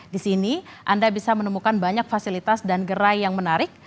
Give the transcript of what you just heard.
di sini anda bisa menemukan banyak fasilitas dan gerai yang menarik